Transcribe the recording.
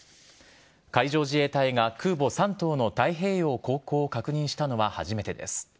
海上自衛隊が空母「山東」の太平洋航行を確認したのは初めてです。